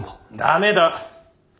ダメだ。